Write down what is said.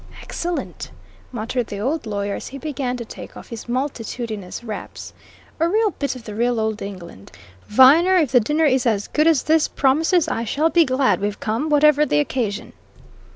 "Excellent!" muttered the old lawyer as he began to take off his multitudinous wraps. "A real bit of the real old England! Viner, if the dinner is as good as this promises, I shall be glad we've come, whatever the occasion."